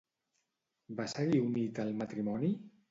Va seguir unit el matrimoni?